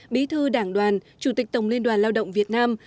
bí thư đảng đoàn chủ tịch tổng liên đoàn lao động việt nam